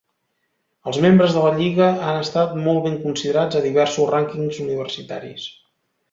Els membres de la Lliga han estat molt ben considerats a diversos rànquings universitaris.